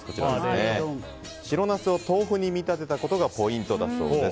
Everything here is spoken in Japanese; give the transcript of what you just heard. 白ナスを豆腐に見立てたことがポイントだそうです。